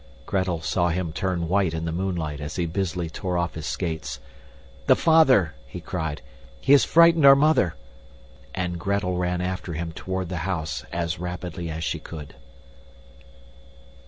Gretel saw him turn white in the moonlight as he busily tore off his skates. "The father!" he cried. "He has frightened our mother!" And Gretel ran after him toward the house as rapidly as she could.